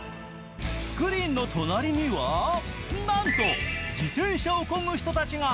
スクリーンの隣にはなんと自転車をこぐ人たちが。